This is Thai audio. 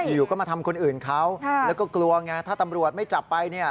อยู่ก็มาทำคนอื่นเขาแล้วก็กลัวไงถ้าตำรวจไม่จับไปเนี่ย